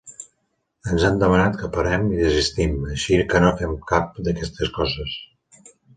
Ens han demanat que parem i desistim, així que no fem cap d'aquestes coses.